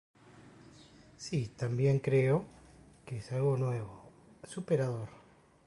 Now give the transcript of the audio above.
He decided to switch to a professional career.